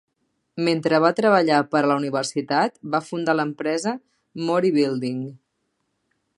Mentre va treballar per a la universitat, va fundar l'empresa Mori Building.